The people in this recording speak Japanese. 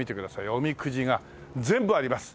おみくじが全部あります。